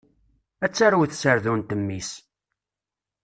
Ad tarew tserdunt mmi-s.